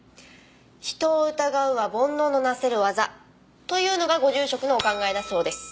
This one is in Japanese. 「人を疑うは煩悩のなせる業」というのがご住職のお考えだそうです。